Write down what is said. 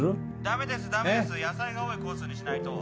ダメですダメです野菜が多いコースにしないと